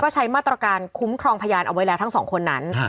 ใช้มาตรการคุ้มครองพยานเอาไว้แล้วทั้งสองคนนั้น